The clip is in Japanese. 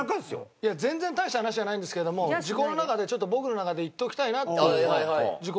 いや全然大した話じゃないんですけどもちょっと僕の中で言っておきたいなという時効の話。